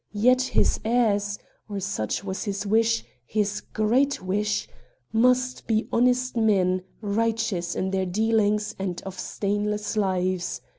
Yet his heirs or such was his wish, his great wish must be honest men, righteous in their dealings, and of stainless lives.